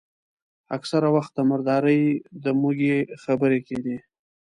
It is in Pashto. اکثره وخت د مردارۍ د موږي خبرې کېدې.